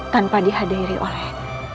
tanpa dihadiri oleh